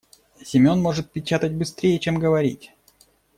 Семён может печатать быстрее, чем говорить.